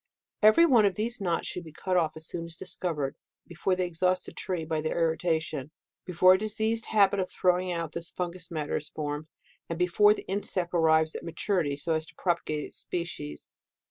Every one of these knots should be cut oflf as soon as discovered, before they exhaust the tree by their irritation, before a diseased habit of throwing out this fungus matter is formed, and before the insect arrives at ma turity, so as to propagate its species.